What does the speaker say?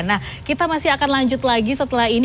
nah kita masih akan lanjut lagi setelah ini